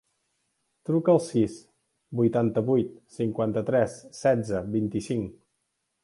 Truca al sis, vuitanta-vuit, cinquanta-tres, setze, vint-i-cinc.